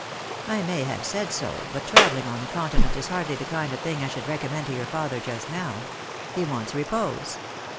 " I may have said so. But travelling on the Continent is hardly the kind of thing I should recommend to your father just now. He wants repose."